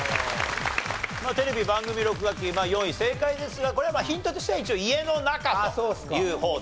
テレビ番組録画機４位正解ですがこれはヒントとしては一応家の中という方ですね。